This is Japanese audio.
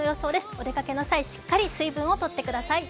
お出かけの際、しっかり水分をとってください。